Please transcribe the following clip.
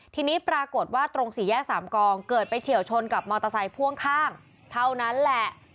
ทีนี้ปรากฏว่าตรงสี่แยกสามกองเกิดไปเฉียวชนกับมอเตอร์ไซค์พ่วงข้างเท่านั้นแหละ